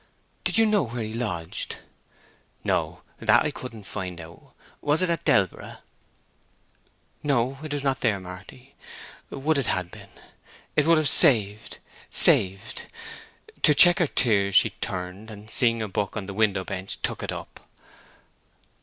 "Did you know where he lodged?" "No. That I couldn't find out. Was it at Delborough?" "No. It was not there, Marty. Would it had been! It would have saved—saved—" To check her tears she turned, and seeing a book on the window bench, took it up.